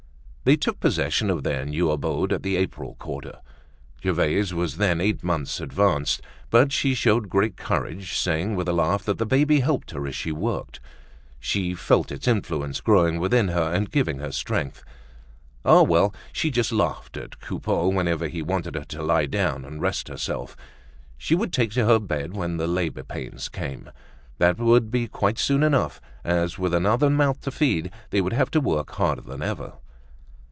They took possession of their new abode at the April quarter. Gervaise was then eight months advanced. But she showed great courage, saying with a laugh that the baby helped her as she worked; she felt its influence growing within her and giving her strength. Ah, well! She just laughed at Coupeau whenever he wanted her to lie down and rest herself! She would take to her bed when the labor pains came. That would be quite soon enough as with another mouth to feed, they would have to work harder than ever.